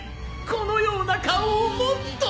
このような顔をもっと！